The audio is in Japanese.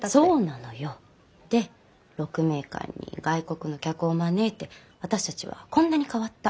で鹿鳴館に外国の客を招いて「私たちはこんなに変わった。